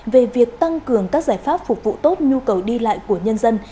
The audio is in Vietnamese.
về việc tăng cường các giải pháp phục vụ tốt nhu cầu đi lại của nhân dân